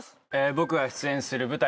僕が出演する舞台